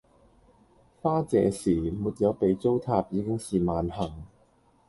花謝時；沒有被糟蹋已經是萬幸